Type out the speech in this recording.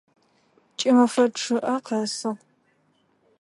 Кӏымэфэ чъыӏэр къэсыгъ.